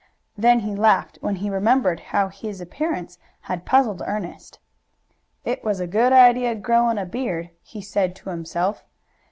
Then he laughed when he remembered how his appearance had puzzled Ernest. "It was a good idea growin' a beard," he said to himself.